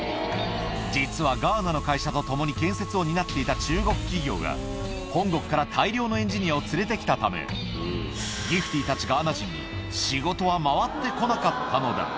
実はガーナの会社と共に建設を担っていた中国企業が、本国から大量のエンジニアを連れてきたため、ギフティたちガーナ人に仕事は回ってこなかったのだ。